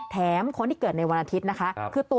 แถมคนที่เกิดในวันอาทิตย์นะคะ